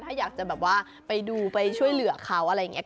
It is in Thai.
ถ้าอยากจะแบบว่าไปดูไปช่วยเหลือเขาอะไรอย่างนี้